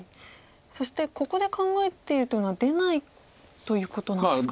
そしてここで考えているというのは出ないということなんですか。